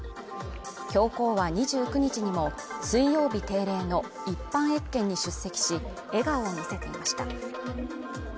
教皇は２９日にも水曜日定例の一般謁見に出席し、笑顔を見せていました。